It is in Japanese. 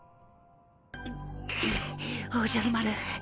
くっおじゃる丸